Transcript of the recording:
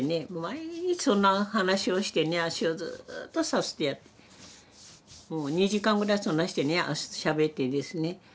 毎日そんな話をしてね足をずっとさすってやってもう２時間ぐらいそんなんしてねしゃべってですね